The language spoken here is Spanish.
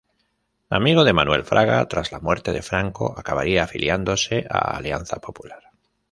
Amigo de Manuel Fraga, tras la muerte de Franco acabaría afiliándose a Alianza Popular.